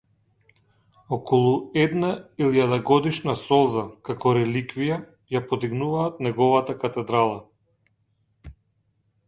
Околу една илјадагодишна солза, како реликвија, ја подигнуваат неговата катедрала.